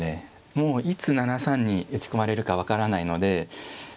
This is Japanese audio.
もういつ７三に打ち込まれるか分からないので